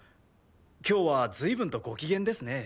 今日は随分とご機嫌ですね？